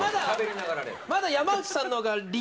まだ山内さんの方が。